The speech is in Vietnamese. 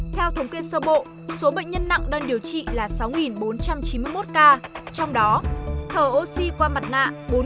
theo thống kê sơ bộ số bệnh nhân nặng đang điều trị là sáu bốn trăm chín mươi một ca trong đó thở oxy qua mặt nạ